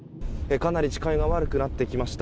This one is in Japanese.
かなり視界が悪くなってきました。